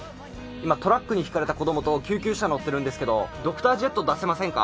今トラックにひかれた子供と救急車乗ってるんですけどドクタージェット出せませんか？